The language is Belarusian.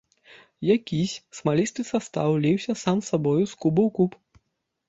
Якісь смалісты састаў ліўся сам сабою з куба ў куб.